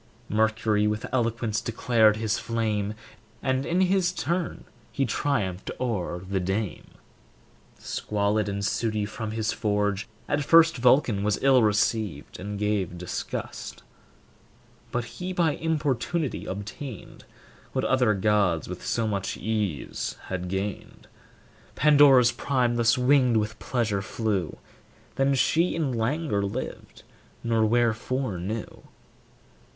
Mercury with eloquence declared his flame, And in his turn he triumphed o'er the dame. Squalid and sooty from his forge, at first Vulcan was ill received, and gave disgust; But he by importunity obtained What other gods with so much ease had gained. Pandora's prime thus winged with pleasure flew, Then she in languor lived, nor wherefore knew.